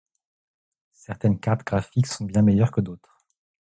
Certaines cartes graphiques sont bien meilleures que d'autres.